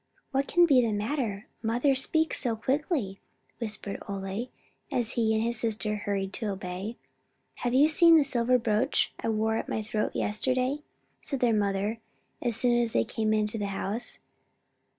"What can be the matter, mother speaks so quickly?" whispered Ole, as he and his sister hurried to obey. "Have you seen the silver brooch I wore at my throat yesterday?" said their mother, as soon as they came into the house.